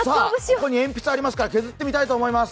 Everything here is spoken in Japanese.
ここに鉛筆ありますから、削ってみたいと思います。